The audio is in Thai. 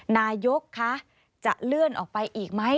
นายกคะจะเลื่อนออกไปอีกไหม